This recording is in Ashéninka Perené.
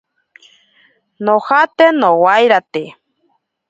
Nojate nowairate.